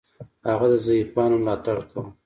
هغه د ضعیفانو ملاتړ کاوه.